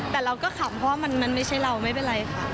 แต่เราก็ขำเพราะว่ามันไม่ใช่เราไม่เป็นไรค่ะ